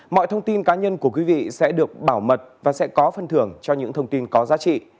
mọi thông tin cá nhân của quý vị sẽ được bảo mật và sẽ có phân thưởng cho những thông tin có giá trị